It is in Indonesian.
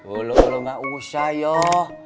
ulu ulu gak usah yoh